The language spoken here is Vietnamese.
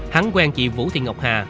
hắn quen chị vũ thị ngọc hà